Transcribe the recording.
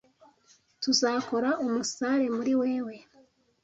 Tuzakora umusare muri wewe.